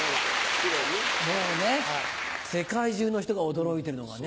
世界中の人が驚いてるのがね。